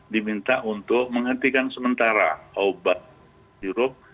diminta untuk menghentikan sementara obat sirup